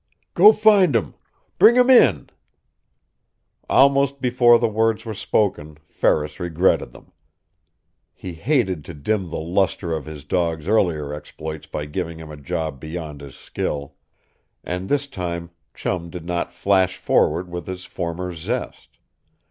"Go find 'em! Bring 'em in!" Almost before the words were spoken Ferris regretted them. He hated to dim the luster of his dog's earlier exploits by giving him a job beyond his skill. And this time Chum did not flash forward with his former zest.